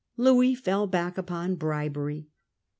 Louis fell back upon bribery.